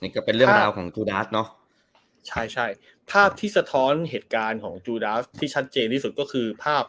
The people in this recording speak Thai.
ก็เป็นเรื่องราวของจูดาร์ดเนอะใช่ใช่ภาพที่สะท้อนเหตุการณ์ของจูดาสที่ชัดเจนที่สุดก็คือภาพ